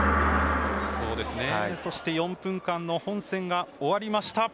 そして４分間の本戦が終わりました。